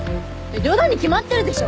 冗談に決まってるでしょ！